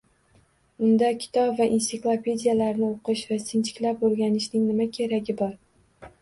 Unda kitob va ensiklopediyalarni o‘qish va sinchiklab o‘rganishning nima keragi bor?